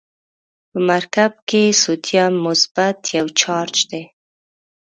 په مرکب کې سودیم مثبت یو چارج دی.